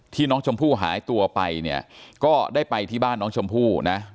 น้องชมพู่หายตัวไปเนี่ยก็ได้ไปที่บ้านน้องชมพู่นะ